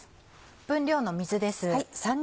分量の水です。